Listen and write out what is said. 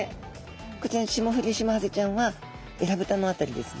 こちらのシモフリシマハゼちゃんはえらぶたの辺りですね